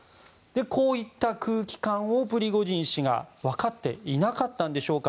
こういった空気感をプリゴジン氏が分かっていなかったのでしょうか。